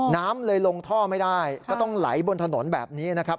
น้ำเลยลงท่อไม่ได้ก็ต้องไหลบนถนนแบบนี้นะครับ